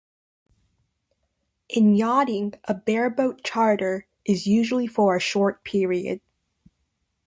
In yachting a bareboat charter is usually for a short period.